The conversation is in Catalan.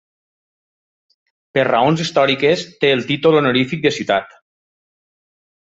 Per raons històriques, té el títol honorífic de ciutat.